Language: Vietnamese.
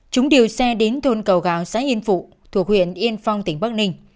chúng điều xe đến thôn cầu gào xã yên phụ thuộc huyện yên phong tỉnh bắc ninh